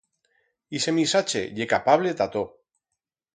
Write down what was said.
Ixe misache ye capable ta tot.